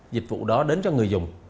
dịch vụ đó đến cho người dùng